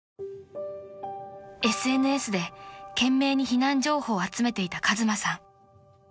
［ＳＮＳで懸命に避難情報を集めていた和真さん］